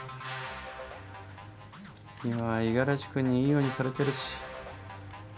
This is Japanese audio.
今は五十嵐君にいいようにされてるし。